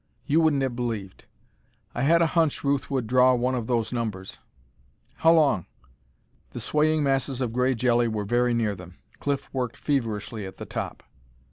You wouldn't have believed. I had a hunch Ruth would draw one of those numbers.... How long?" The swaying masses of gray jelly were very near them. Cliff worked feverishly at the top.